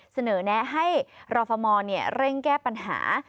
เสนอแนะให้รฟมเร่งแก้ปัญหา